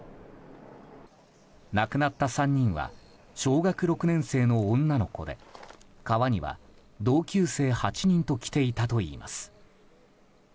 亡くなった３人は小学６年生の女の子で川には同級生８人と来ていたといいます。